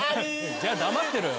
じゃあ黙ってろよ。